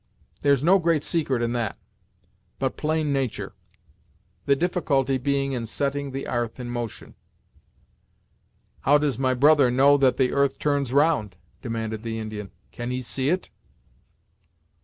There's no great secret in that; but plain natur'; the difficulty being in setting the 'arth in motion." "How does my brother know that the earth turns round?" demanded the Indian. "Can he see it?"